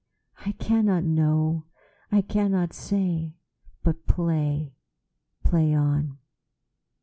I cannot know. I cannot say. But play, play on.